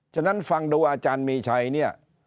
ฉะนั้นฟังดูอาจารย์มีชัยเนี่ย